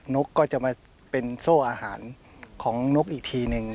นกก็จะมาเป็นโซ่อาหารของนกอีกทีนึง